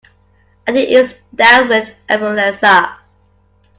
Andy is down with influenza.